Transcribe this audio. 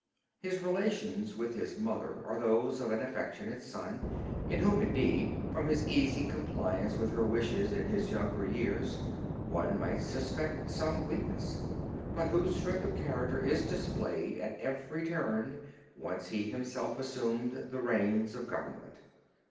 His relations with his mother are those of an affectionate son in whom indeed, from his easy compliance with her wishes in his younger years one might suspect some weakness, but whose strength of character is displayed at every turn once he himself assumed the reins of government.